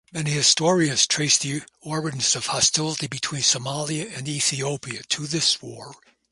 Many historians trace the origins of hostility between Somalia and Ethiopia to this war.